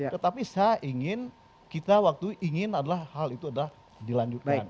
tetapi saya ingin kita waktu ingin hal itu dilanjutkan